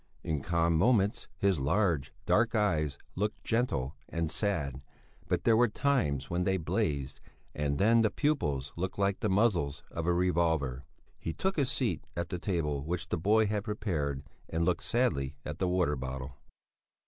In calm moments his large, dark eyes looked gentle and sad, but there were times when they blazed and then the pupils looked like the muzzles of a revolver. He took his seat at the table which the boy had prepared and looked sadly at the water bottle.